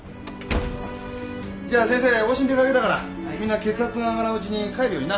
じゃ先生往診に出かけたからみんな血圧が上がらんうちに帰るようにな。